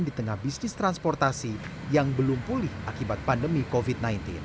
di tengah bisnis transportasi yang belum pulih akibat pandemi covid sembilan belas